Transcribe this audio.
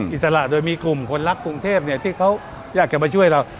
อิสระโดยมีกลุ่มคนรักกรุงเทพที่เขาอยากจะมาช่วยเรา